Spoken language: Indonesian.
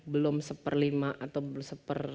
belum seperlima atau seper